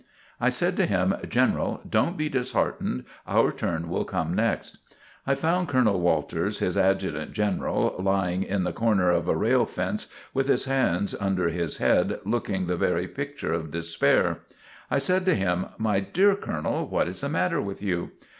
I said to him: "General, don't be disheartened, our turn will come next." I found Colonel Walters, his Adjutant General, lying in the corner of a rail fence, with his hands under his head, looking the very picture of despair. I said to him; "My dear Colonel, what is the matter with you?"